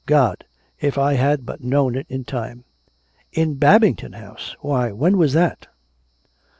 God! if I had but known it in time! "" In Babington House! Why, when was that?